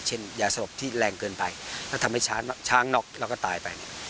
เช่นยาศพที่แรงเกินไปแล้วทำให้ช้างนอกแล้วก็ตายไป